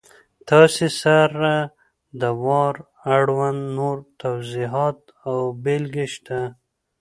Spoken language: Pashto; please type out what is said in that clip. تاسې سره د وار اړوند نور توضیحات او بېلګې شته!